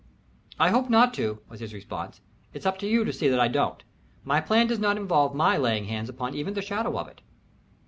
"I hope not to," was his response. "It is up to you to see that I don't. My plan does not involve my laying hands upon even the shadow of it."